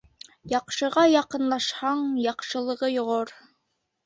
Яҡшыға яҡынлашһаң, яҡшылығы йоғор